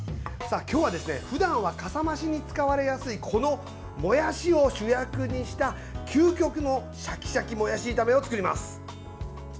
今日は、ふだんはかさ増しに使われやすいこのもやしを主役にした究極のシャキシャキもやし炒めを作ります。